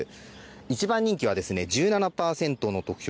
一番人気は、１７％の得票。